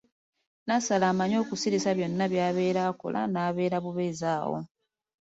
Nassali amanyi okusirisa byonna by'abeera akola n’abeera bubeezi awo.